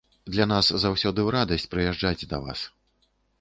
Для нас заўсёды ў радасць прыязджаць да вас.